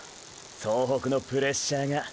総北のプレッシャーが。